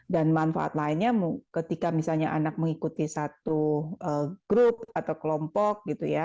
dan manfaat lainnya ketika misalnya anak mengikuti satu grup atau kelompok